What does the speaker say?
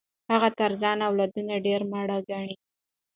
هغه تر ځان اولادونه ډېر ماړه ګڼي.